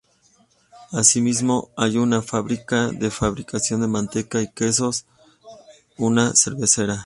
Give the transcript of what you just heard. Así mismo hay una fábrica de fabricación de manteca y quesos y una cervecera.